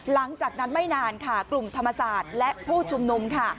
หลังจากนั้นไม่นานค่ะกลุ่มธรรมศาสตร์และผู้ชุมนุมค่ะ